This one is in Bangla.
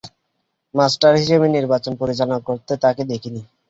মাস্টার হিসেবে নির্বাচন পরিচালনা করতে তাকে দেখিনি।